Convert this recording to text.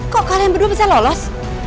kok kalian berdua bisa lolos